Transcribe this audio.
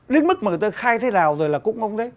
đến mức mà người ta khai thế nào rồi là cũng không thấy